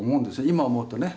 今思うとね。